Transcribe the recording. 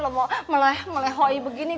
lu mau melehoi begini